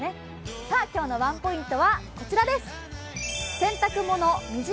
今日のワンポイントは、こちらです。